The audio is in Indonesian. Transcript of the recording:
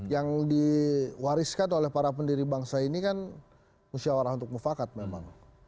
yang diwariskan oleh para pendiri bangsa ini kan musyawarah untuk mufakat memang